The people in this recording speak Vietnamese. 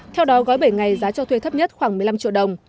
theo đó gói bảy ngày giá cho thuê thấp nhất khoảng một mươi năm triệu đồng